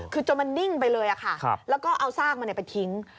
คือจนมันนิ่งไปเลยค่ะแล้วก็เอาซากมันไปทิ้ง